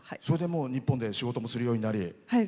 それで日本で仕事するようにもなり。